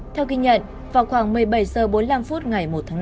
theo ghi nhận vào khoảng một mươi bảy h bốn mươi năm ngày một tháng năm